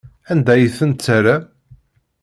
Anda ay tent-terram?